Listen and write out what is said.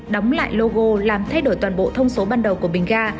đóng lại logo làm thay đổi toàn bộ thông số ban đầu của bình ga